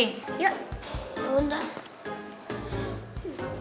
yuk yuk undang